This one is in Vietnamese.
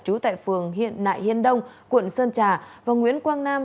chú tại phường hiện nại hiên đông quận sơn trà và nguyễn quang nam